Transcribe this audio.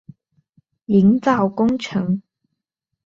营造工程